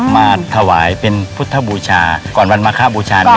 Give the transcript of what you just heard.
มาถวายเป็นพุทธบูชาก่อนวันมาคบูชาเนี่ย